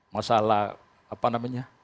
masalah apa namanya